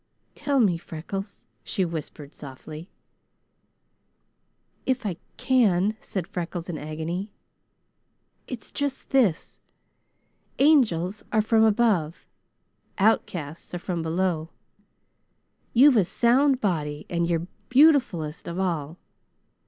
"Tell me, Freckles," she whispered softly. "If I can," said Freckles in agony. "It's just this. Angels are from above. Outcasts are from below. You've a sound body and you're beautifulest of all.